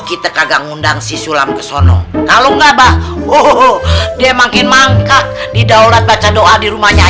kita kagak ngundang si sulam ke sono kalau nggak bah oh dia makin mangkak di daulat baca doa di